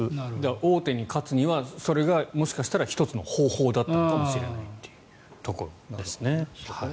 大手に勝つにはそれがもしかしたら１つの方法だったのかもしれないというところですね。